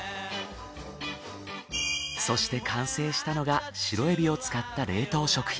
そして完成したのがシロエビを使った冷凍食品。